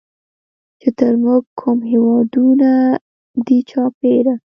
چې تر مونږ کوم هېوادونه دي چاپېره